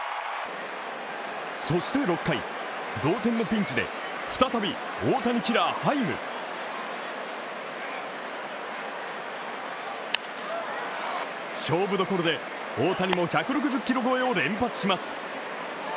そして６回、同点のピンチで再び大谷キラー、ハイム勝負どころで大谷も１６０キロ超えを連発します。